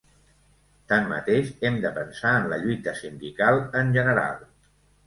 Tanmateix, hem de pensar en la lluita sindical en general.